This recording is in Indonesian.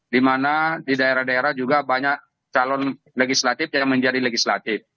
dimana di daerah daerah juga banyak calon legislatif yang menjadi legislatif